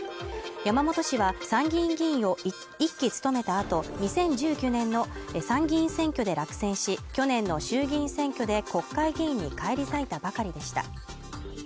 山本氏は参議院議員を１期務めたあと２０１９年の参議院選挙で落選し去年の衆議院選挙で国会議員に返り咲いたばかりでした